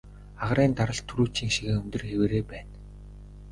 Агаарын даралт түрүүчийнх шигээ өндөр хэвээрээ байна.